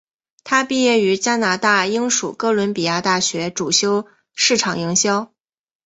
她毕业于加拿大英属哥伦比亚大学主修市场营销。